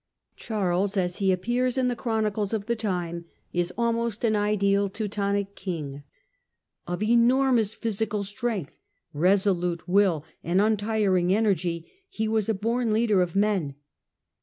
Charles, as he appears in the chronicles of the time, is almost an ideal Teutonic king. Of enormous physi ical strength, resolute will and untiring energy, he was a bom leader of men.